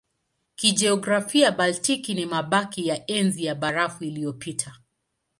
Kijiografia Baltiki ni mabaki ya Enzi ya Barafu iliyopita.